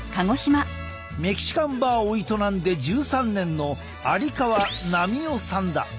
メキシカンバーを営んで１３年の有川奈美男さんだ。